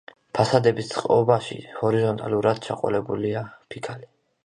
ფასადების წყობაში ჰორიზონტალურად ჩაყოლებულია ფიქალი.